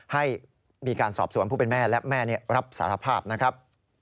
ให้มีการสอบสวนผู้เป็นแม่และแม่รับสารภาพนะครับ